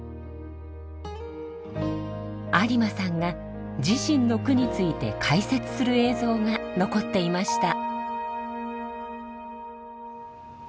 有馬さんが自身の句について解説する映像が残っていました。